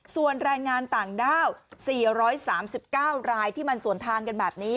ส่วนแรงงานต่างด้าว๔๓๙รายที่มันสวนทางกันแบบนี้